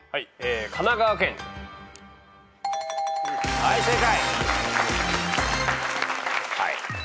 はい正解。